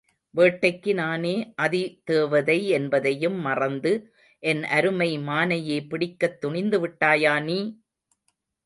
வேட்டைக்கு நானே அதிதேவதை என்பதையும் மறந்து, என் அருமை மானையே பிடிக்கத் துணிந்துவிட்டாயா நீ?